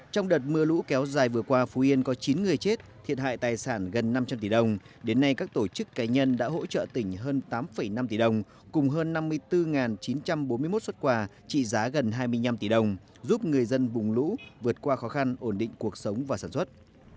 trong đợt mưa lũ kéo dài vừa qua phú yên có chín người chết thiệt hại tài sản gần năm trăm linh tỷ đồng đến nay các tổ chức cá nhân đã hỗ trợ tỉnh hơn tám năm tỷ đồng cùng hơn năm mươi bốn chín trăm bốn mươi một xuất quà trị giá gần hai mươi năm tỷ đồng giúp người dân vùng lũ vượt qua khó khăn ổn định cuộc sống và sản xuất